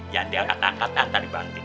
ya dia akan angkat angkat antar di banting